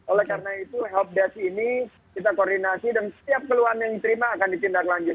oleh karena itu helpdesk ini kita koordinasi dan setiap keluhan yang diterima akan ditindaklanjuti